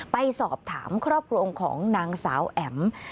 ไปสอบถามครอบครัวของนางสาวแอ๋ม